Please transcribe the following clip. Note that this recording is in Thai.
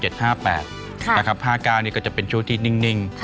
แต่ครับภาคกลางนี้ก็จะเป็นช่วงที่นิ่ง